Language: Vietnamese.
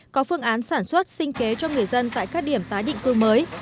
có phương án sản xuất sinh kế cho người dân tại các điểm tái định cư mới